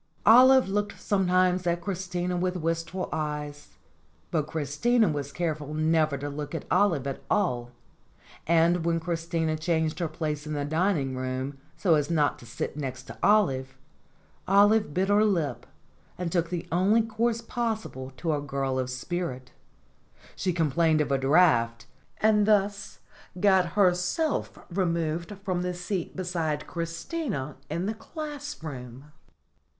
Olive looked sometimes at Christina with wistful eyes, but Christina was careful never to look at Olive at all, and when Christina changed her place in the dining hall so as not to sit next to Olive, Olive bit her lip and took the only course possible to a girl of spirit; she complained of a draught, and thus got herself removed from the seat beside Christina in the classroom.